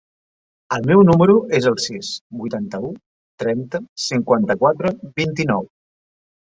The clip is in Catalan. El meu número es el sis, vuitanta-u, trenta, cinquanta-quatre, vint-i-nou.